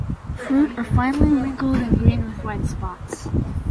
The fruit are finely wrinkled and green with white spots.